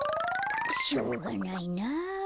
しょうがないな。